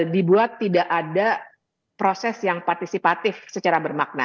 dibuat tidak ada proses yang partisipatif secara bermakna